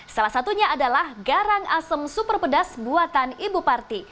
salah satunya adalah garang asem super pedas buatan ibu parti